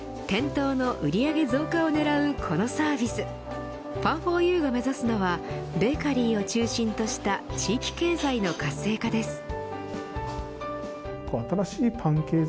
店頭の売り上げ増加を狙うこのサービスパンフォーユーが目指すのはベーカリーを中心とした地域経済の活性化です。